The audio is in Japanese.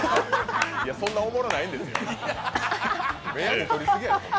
そんなおもろないんですよ。